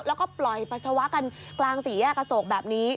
แล้วก็ปล่อยปัสสาวะกันกลางสี่แยกอโศกแบบนี้